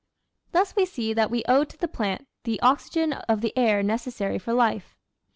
Thus we see that we owe to the plant the oxygen of the air necessary for life.